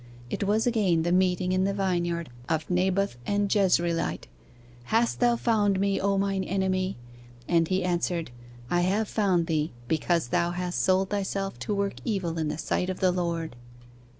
It was again the meeting in the vineyard of Naboth the Jezreelite: 'Hast thou found me, O mine enemy? And he answered, I have found thee: because thou hast sold thyself to work evil in the sight of the Lord.